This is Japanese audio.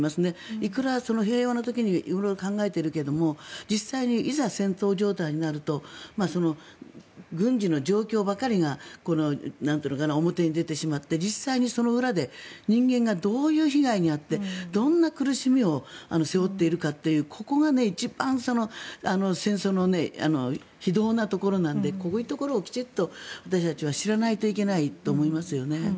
いくら平和の時に色々考えているけれど実際に、いざ戦闘状態になると軍事の状況ばかりが表に出てしまって実際にその裏で人間がどういう被害に遭ってどんな苦しみを背負っているかというここが一番戦争の非道なところなのでこういうところをきちんと私たちは知らないといけないと思いますよね。